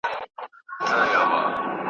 بیا یې پورته تر اسمانه واویلا وي !.